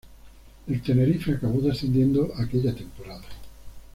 El Tenerife acabó descendiendo aquella temporada.